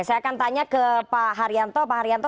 saya akan tanya ke pak haryanto pak haryanto